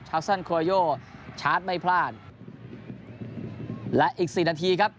ซันโครโยชาร์จไม่พลาดและอีกสี่นาทีครับ